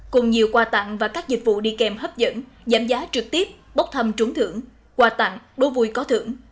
cùng nhiều quà tặng và các dịch vụ đi kèm hấp dẫn giảm giá trực tiếp bốc thăm trúng thưởng